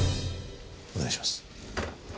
お願いします。